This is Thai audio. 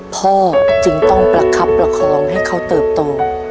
พ่อจึงต้องประคับประคองให้เขาเติบโต